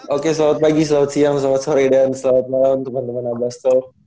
oke selamat pagi selamat siang selamat sore dan selamat malam temen temen abastog